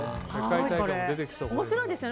面白いですよね。